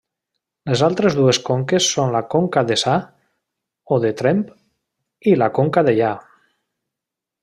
Les altres dues conques són la Conca Deçà, o de Tremp, i la Conca Dellà.